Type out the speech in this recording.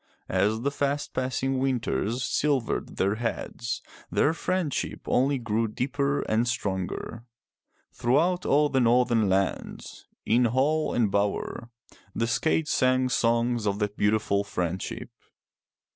As the fast passing winters silvered their heads, their friendship only grew deeper and stronger. Throughout all the Northern lands, in hall and bower, the skalds sang songs of that beautiful friendship.